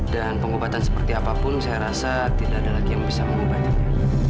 dan pengobatan seperti apapun saya rasa tidak ada lagi yang bisa mengubatinya